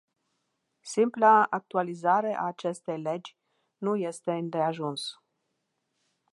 Simpla actualizare a acestei legi nu este îndeajuns.